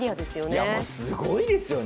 すごいですよね。